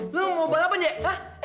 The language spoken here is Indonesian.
lu mau balapan ya